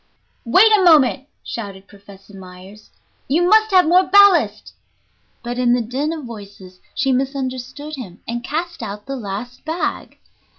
"Wait a moment," shouted Professor Myers; "you must have more ballast." But in the din of voices she misunderstood him and cast out the last bag.